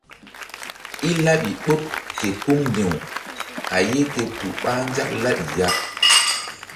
I laɓi ɓoɗ ke kuŋ ndi̧w a ye ke tu ɓah nzak laɓi ya.